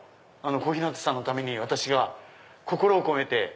小日向さんのために私が心を込めて。